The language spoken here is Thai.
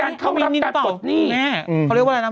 แม้เขาเรียกว่าอะไรนะ